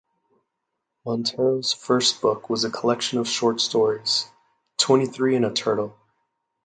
Montero's first book was a collection of short stories, "Twenty-Three and a Turtle".